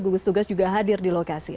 gugus tugas juga hadir di lokasi